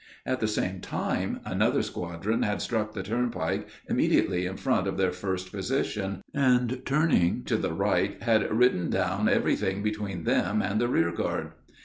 At the same time another squadron had struck the turnpike immediately in front of their first position, and turning to the right, had ridden down everything between them and the rear guard.